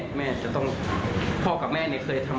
เขาไม่สนใจใครไม่แค่ว่ามันคิดของใคร